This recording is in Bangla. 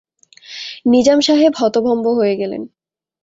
নিজাম সাহেব হতভম্ব হয়ে গেলেন।